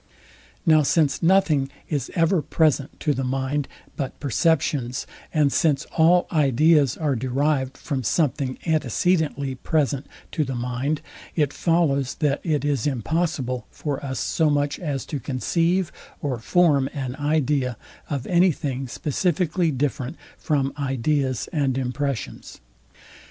Now since nothing is ever present to the mind but perceptions, and since all ideas are derived from something antecedently present to the mind; it follows, that it is impossible for us so much as to conceive or form an idea of any thing specifically different from ideas and impressions.